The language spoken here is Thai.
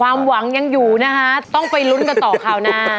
ความหวังยังอยู่นะคะต้องไปลุ้นกันต่อคราวหน้า